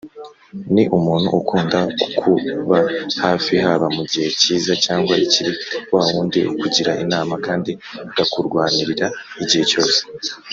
Ni umuntu ukunda kukuba hafi haba mu gihe cyiza cyangwa ikibi wawundi ukugira inama kandi akakurwanirira igihe cyose.